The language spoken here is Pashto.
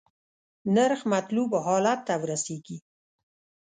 نرخ مطلوب حالت ته ورسیږي.